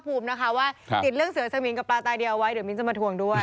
เูียวรรวมกันเลยปลา